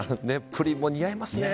プリンも似合いますね。